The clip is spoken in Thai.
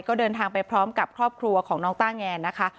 ก็เดินทางไปพร้อมกับครอบครัวของน้องต้าแงนนะคะ